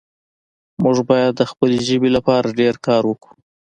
موږ باید د خپلې ژبې لپاره ډېر کار وکړو